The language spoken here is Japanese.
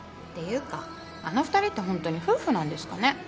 っていうかあの２人ってホントに夫婦なんですかね？